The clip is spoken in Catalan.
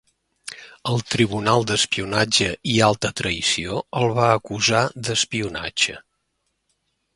El Tribunal d'Espionatge i Alta Traïció el va acusar d'espionatge.